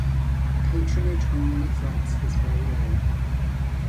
Patronage on many flights is very low.